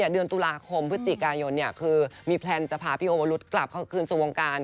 เดือนตุลาคมพฤศจิกายนคือมีแพลนจะพาพี่โอวรุษกลับคืนสู่วงการ